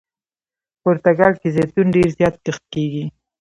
پرتګال کې زیتون ډېر زیات کښت کیږي.